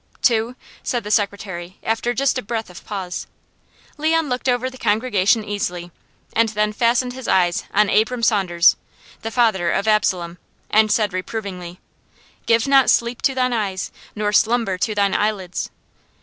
"Two," said the secretary after just a breath of pause. Leon looked over the congregation easily and then fastened his eyes on Abram Saunders, the father of Absalom, and said reprovingly: "Give not sleep to thine eyes nor slumber to thine eyelids."